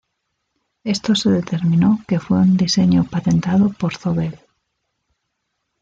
Esto se determinó que fue un diseño patentado por Zobel.